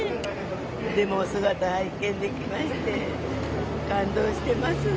でもお姿拝見できまして、感動してます。